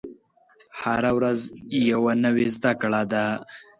هره ورځ یوه نوې زده کړه ده.